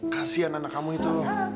kasihan anak kamu itu